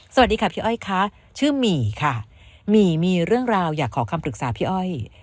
สวัสดีค่ะพี่อ้อยค่ะชื่อหมี่ค่ะหมี่มีเรื่องราวอยากขอคำปรึกษาพี่อ้อย